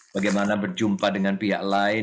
bagaimana berjumpa dengan pihak lain